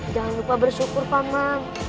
jangan lupa bersyukur paman